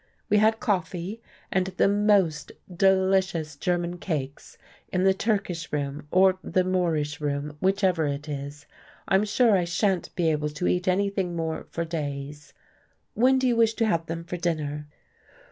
We had coffee, and the most delicious German cakes in the Turkish room, or the Moorish room, whichever it is. I'm sure I shan't be able to eat anything more for days. When do you wish to have them for dinner?"